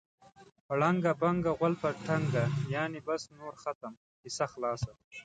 ړنګه بنګه غول په تنګه. یعنې بس نور ختم، کیسه خلاصه.